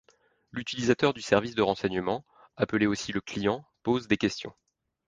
L'utilisateur du service de renseignement, appelé aussi le client, pose des questions.